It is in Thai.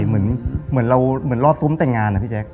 เหมือนรอดซุ้มแต่งงานนะพี่แจ๊ค